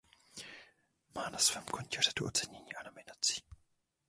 Má na svém kontě řadu ocenění a nominací.